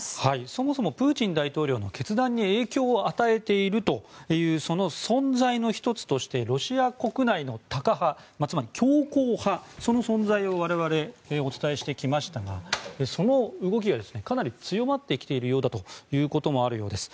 そもそもプーチン大統領の決断に影響を与えているというその存在の１つとしてロシア国内のタカ派つまり強硬派、その存在を我々、お伝えしてきましたがその動きがかなり強まってきているようだということもあるようです。